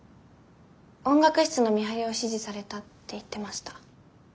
音楽室の見張りを指示されたって言ってました。